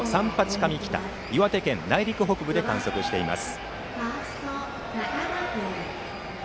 上北岩手県の内陸北部で観測しています。